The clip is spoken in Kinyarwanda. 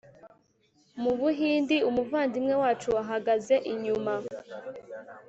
Mu Buhindi Umuvandimwe wacu ahagaze inyuma